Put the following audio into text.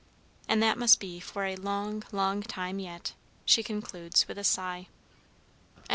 And that must be for a long, long time yet," she concludes with a sigh. A NURSERY TYRANT.